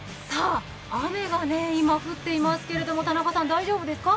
雨が今、降っていますけれども田中さん、大丈夫ですか？